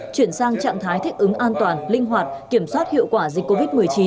chuyển sang trạng thái thích ứng an toàn linh hoạt kiểm soát hiệu quả dịch covid một mươi chín